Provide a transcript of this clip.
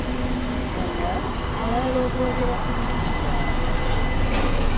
Ganya abalala okwogera ku bizibu byabwe .